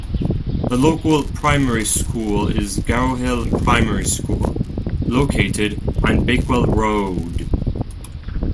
The local primary school is Garrowhill Primary School, located on Bakewell Road.